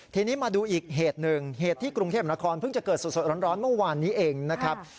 ทีนี้มาดูอีกเหตุหนึ่งเหตุที่กรุงเทพนครเพิ่งจะเกิดสดร้อนเมื่อวานนี้เองนะครับ